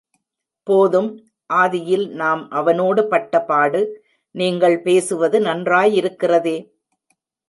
போதும், ஆதியில் நாம் அவனோடு பட்டபாடு! நீங்கள் பேசுவது நன்றாயிருக்கிறதே.